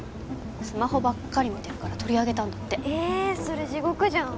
スマホばっかり見てるから取り上げたんだってえそれ地獄じゃん